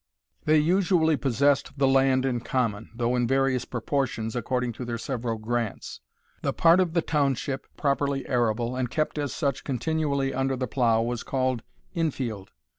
They usually possessed the land in common, though in various proportions, according to their several grants. The part of the Township properly arable, and kept as such continually under the plough, was called in field.